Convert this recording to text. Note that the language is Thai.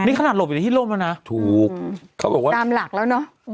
นี่ขนาดหลบอยู่ในที่ร่มแล้วนะถูกเขาบอกว่าตามหลักแล้วเนอะ